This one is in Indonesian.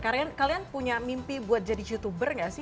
kalian punya mimpi buat jadi youtuber gak sih